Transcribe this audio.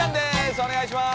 お願いします。